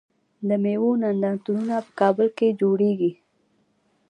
د میوو نندارتونونه په کابل کې جوړیږي.